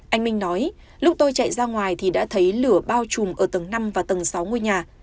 anh minh nói lúc tôi chạy ra ngoài thì đã thấy lửa bao trùm ở tầng năm và tầng sáu ngôi nhà